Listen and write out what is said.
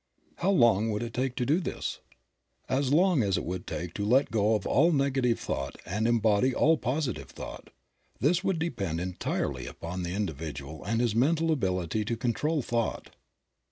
How long would it take to do this? As long as it would take to let go of all negative thought and embody all positive thought. This would depend entirely upon the individual and his mental ability to control thought.